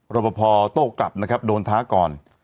รอปภโต้กลับนะครับโดนท้าก่อน